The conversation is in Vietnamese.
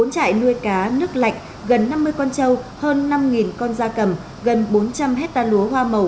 bốn trại nuôi cá nước lạnh gần năm mươi con trâu hơn năm con da cầm gần bốn trăm linh hectare lúa hoa màu